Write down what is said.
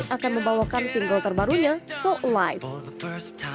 akan membawakan single terbarunya so live